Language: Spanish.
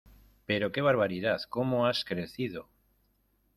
¡Pero que barbaridad, como has crecido!